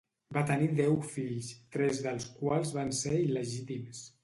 Va tenir deu fills, tres dels quals van ser il·legítims.